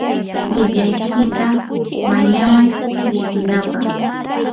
llikllaykita mañamay tushunapaq.